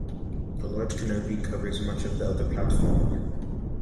A large canopy covers much of the other platform.